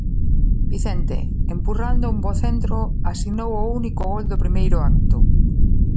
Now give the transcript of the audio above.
Vicente, empurrando un bo centro, asinou o único gol do primeiro acto.